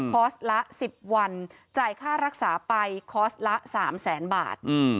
คอร์สละ๑๐วันจ่ายค่ารักษาไปคอร์สละ๓แสนบาท